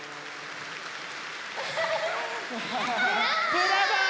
ブラボー！